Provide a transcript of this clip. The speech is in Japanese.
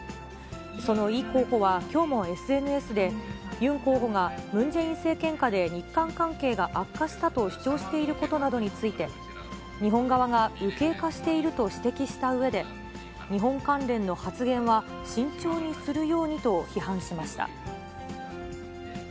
そのイ候補は、きょうもＳＮＳでユン候補がムン・ジェイン政権下で日韓関係が悪化したと主張していることなどについて、日本側が右傾化していると指摘したうえで、日本関連の発言は慎重にするようにと批判しました。